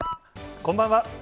こんばんは。